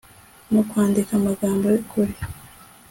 no kwandika amagambo y'ukuri